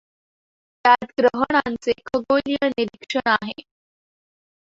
त्यात ग्रहणांचे खगोलीय निरीक्षण आहे.